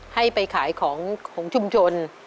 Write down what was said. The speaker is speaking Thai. ให้ไปขายของของชุมชน